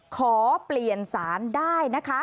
ขอเปลี่ยนสารได้นะคะ